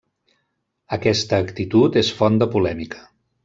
Aquesta actitud és font de polèmica.